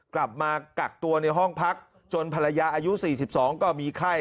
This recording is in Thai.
กลับมากักตัวในห้องพักจนภรรยาอายุ๔๒ก็มีไข้